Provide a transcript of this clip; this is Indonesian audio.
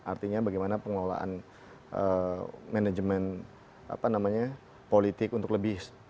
artinya bagaimana pengelolaan manajemen politik untuk lebih